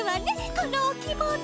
このおきもの。